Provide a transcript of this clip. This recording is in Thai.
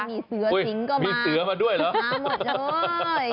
มีเสือสิงก็มีเสือมาด้วยเหรอมาหมดเลย